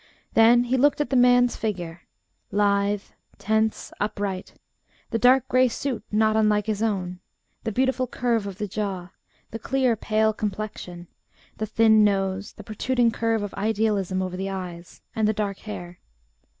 Then he looked at the man's figure, lithe, tense, upright; the dark grey suit not unlike his own, the beautiful curve of the jaw, the clear pale complexion, the thin nose, the protruding curve of idealism over the eyes, and the dark hair.